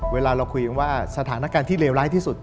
เวลาเราคุยกันว่าสถานการณ์ที่เลวร้ายที่สุด